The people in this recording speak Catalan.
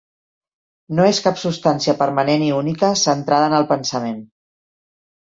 No és cap substància permanent i única centrada en el pensament.